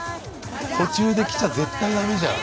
途中で着ちゃ絶対ダメじゃん。